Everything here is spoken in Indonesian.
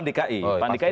iya pan di ki